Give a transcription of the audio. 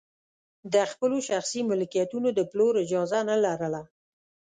د خپلو شخصي ملکیتونو د پلور اجازه نه لرله.